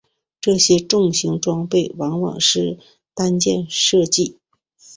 这些重型装备往往是单件设计。